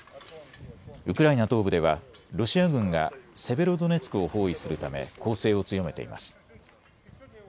ウクライナ東部ではロシア軍がセベロドネツクを包囲するため攻勢を強めています。